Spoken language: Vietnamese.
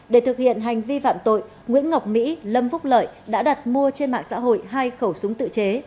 để thực hiện hành vi phạm tội nguyễn ngọc mỹ lâm phúc lợi đã đặt mua trên mạng xã hội hai khẩu súng tự chế